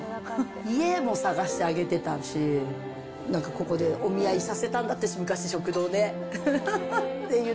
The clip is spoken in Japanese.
家も探してあげてたし、なんかここでお見合いさせたんだって、昔、食堂で。